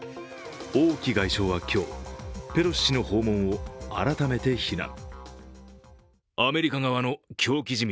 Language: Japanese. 王毅外相は今日、ペロシ氏の訪問を改めて非難。